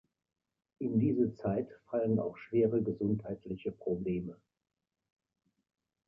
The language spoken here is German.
In diese Zeit fallen auch schwere gesundheitliche Probleme.